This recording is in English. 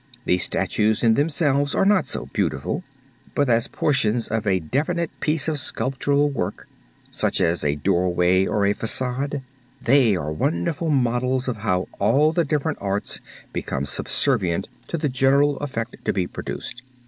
The statues in themselves are not so beautiful, but as portions of a definite piece of structural work such as a doorway or a facade, they are wonderful models of how all the different arts became subservient to the general effect to be produced.